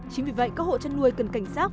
chính vì vậy các hộ chăn nuôi cần cảnh sát